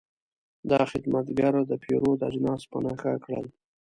دا خدمتګر د پیرود اجناس په نښه کړل.